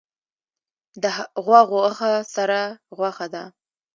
د غوا غوښه سره غوښه ده